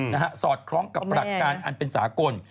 นะฮะสอดคร้องกับประหลักการอันเป็นสากล